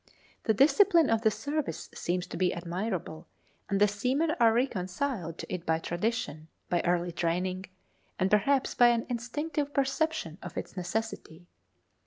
The discipline of the service seems to be admirable, and the seamen are reconciled to it by tradition, by early training, and perhaps by an instinctive perception of its necessity.